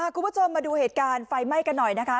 คุณผู้ชมมาดูเหตุการณ์ไฟไหม้กันหน่อยนะคะ